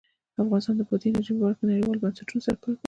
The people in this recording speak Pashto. افغانستان د بادي انرژي په برخه کې نړیوالو بنسټونو سره کار کوي.